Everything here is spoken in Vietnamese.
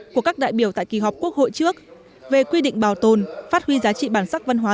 của các đại biểu tại kỳ họp quốc hội trước về quy định bảo tồn phát huy giá trị bản sắc văn hóa